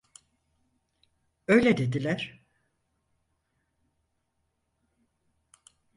Öyle dediler.